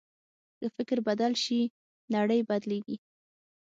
که فکر بدل شي، نړۍ بدلېږي.